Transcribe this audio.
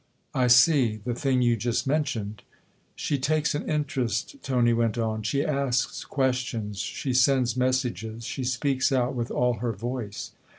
" I see the thing you just mentioned." " She takes an interest," Tony went on, " she asks questions, she sends messages, she speaks out with all her voice.